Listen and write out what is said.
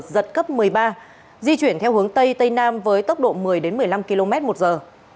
giật cấp một mươi ba di chuyển theo hướng tây tây nam với tốc độ một mươi một mươi năm km một giờ